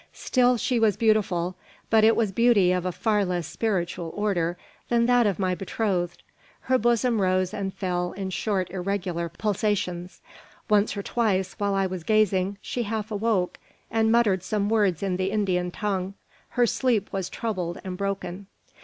Still was she beautiful, but it was beauty of a far less spiritual order than that of my betrothed. Her bosom rose and fell in short, irregular pulsations. Once or twice, while I was gazing, she half awoke, and muttered some words in the Indian tongue. Her sleep was troubled and broken.